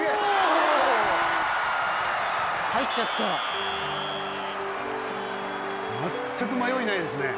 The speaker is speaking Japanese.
お入っちゃった全く迷いないですね